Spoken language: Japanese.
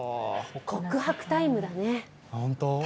告白タイムだね。